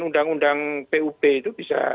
undang undang pup itu bisa